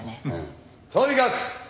とにかく！